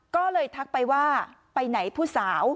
ก็เลยทักไปว่าไปไหนผู้สาว